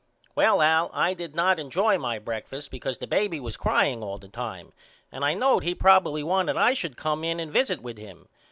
Well Al I did not injoy my breakfast because the baby was crying all the time and I knowed he probily wanted I should come in and visit with him.